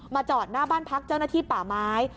จอดหน้าบ้านพักเจ้าหน้าที่ป่าไม้